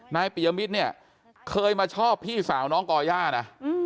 ปียมิตรเนี่ยเคยมาชอบพี่สาวน้องก่อย่านะ